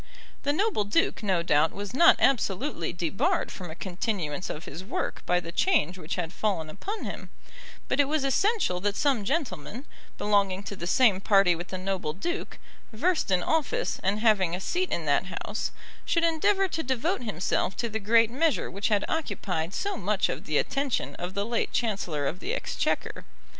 The noble duke no doubt was not absolutely debarred from a continuance of his work by the change which had fallen upon him; but it was essential that some gentleman, belonging to the same party with the noble duke, versed in office, and having a seat in that House, should endeavour to devote himself to the great measure which had occupied so much of the attention of the late Chancellor of the Exchequer.